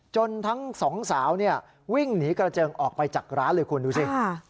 จนทั้ง๒สาววิ่งหนีกระเจิงออกไปจากร้านเลยคุณดูสิ